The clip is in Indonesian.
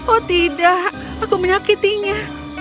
oh tidak aku menyakitinya